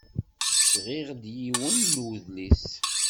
Sɣiɣ-d yiwen n udlis.